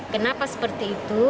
kenapa seperti itu